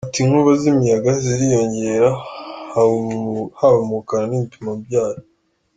Ati “ Inkubi z’imiyaga ziriyongera haba mu bukana n’ibipimo byayo.